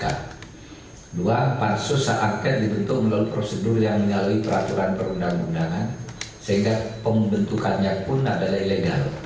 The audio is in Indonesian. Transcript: kedua pansus hak angket dibentuk melalui prosedur yang melalui peraturan perundang undangan sehingga pembentukannya pun adalah ilegal